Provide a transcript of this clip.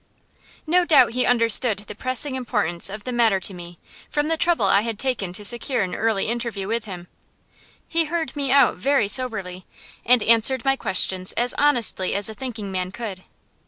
No doubt he understood the pressing importance of the matter to me, from the trouble I had taken to secure an early interview with him. He heard me out very soberly, and answered my questions as honestly as a thinking man could.